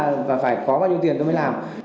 anh ấy là phải có bao nhiêu tiền tôi mới làm